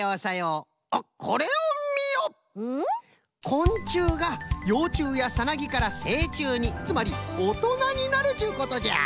こんちゅうがようちゅうやサナギからせいちゅうにつまりおとなになるっちゅうことじゃ。